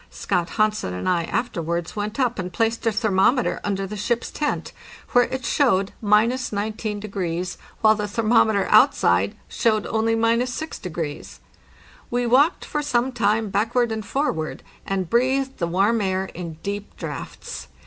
Scott Hansen and I afterwards went up and placed a thermometer under the ship's tent, where it showed 672 APPENDIX —19°, while the thermometer outside showed only —6°. We walked for some time backward and forward, and breathed the warm air in deep draughts.